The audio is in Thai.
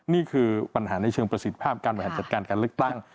นี่คือปัญหาในเชิงประสิทธิภาพการบริหารจัดการการเลือกตั้ง